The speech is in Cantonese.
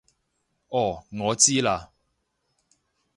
哦我知喇